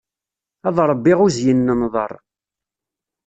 Ad ṛebbiɣ uzyin n nnḍer.